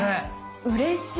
うれしい。